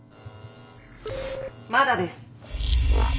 「まだです」。